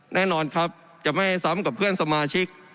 แน่นอนครับจะไม่ซ้ำกับเพื่อนสมาชิก